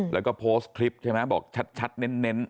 แล้วก็โพสต์คลิปใช่ไหมบอกชัดเน้น